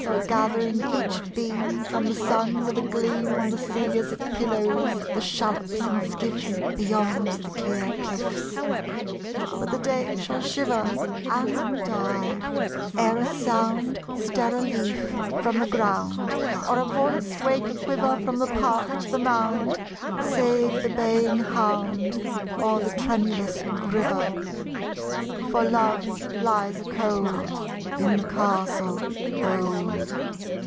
43 Are gathering each beam From the sun, with a gleam On the sea as it pillows The shallops and skiffs Beyond the clear cliffs. But the day shall shiver And die ere a sound Stir a leaf from the ground, Or a voice wake a quiver From the park to the mound, Save the baying hound Or the tremulous river; For Love lies a cold In the castle old.